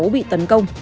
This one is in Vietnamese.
bị tấn công